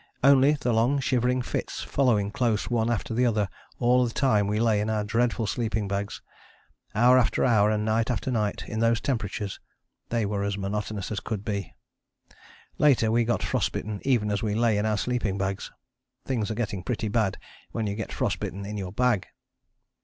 Only the long shivering fits following close one after the other all the time we lay in our dreadful sleeping bags, hour after hour and night after night in those temperatures they were as monotonous as could be. Later we got frost bitten even as we lay in our sleeping bags. Things are getting pretty bad when you get frost bitten in your bag.